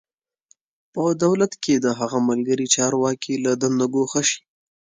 په دولت کې د هغه ملګري چارواکي له دندو ګوښه شي.